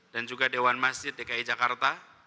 dan juga dewan masjid dki jakarta